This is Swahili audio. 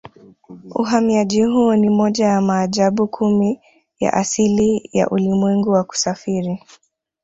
Uhamiaji huo ni moja ya maajabu kumi ya asili ya ulimwengu ya kusafiri